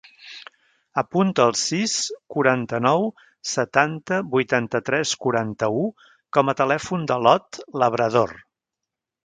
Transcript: Apunta el sis, quaranta-nou, setanta, vuitanta-quatre, quaranta-u com a telèfon de l'Ot Labrador.